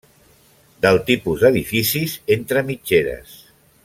Del tipus d'edificis entre mitgeres.